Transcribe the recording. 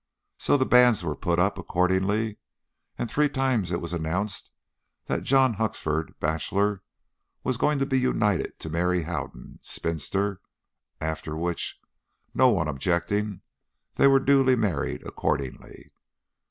So the banns were put up accordingly, and three times it was announced that John Huxford, bachelor, was going to be united to Mary Howden, spinster, after which, no one objecting, they were duly married accordingly.